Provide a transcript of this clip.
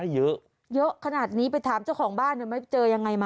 เยอะเยอะขนาดนี้ไปถามเจ้าของบ้านหน่อยไหมเจอยังไงมา